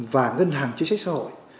và ngân hàng chính sách xã hội